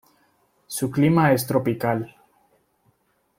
Su clima es tropical.